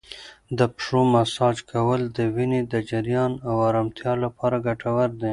د پښو مساج کول د وینې د جریان او ارامتیا لپاره ګټور دی.